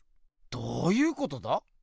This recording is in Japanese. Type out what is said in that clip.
どういうことだ？